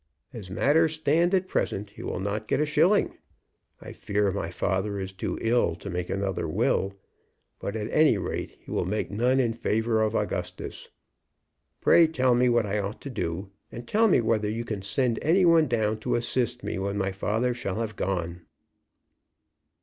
As matters stand at present he will not get a shilling. I fear my father is too ill to make another will. But at any rate he will make none in favor of Augustus. Pray tell me what I ought to do; and tell me whether you can send any one down to assist me when my father shall have gone."